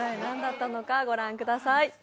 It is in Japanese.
何だったのかご覧ください